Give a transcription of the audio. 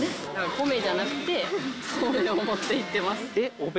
米じゃなくてそうめんを持っていってます。